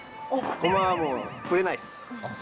ゴマはもう、触れないっす。